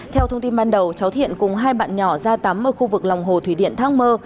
theo thông tin ban đầu cháu thiện cùng hai bạn nhỏ ra tắm ở khu vực lòng hồ thủy điện thác mơ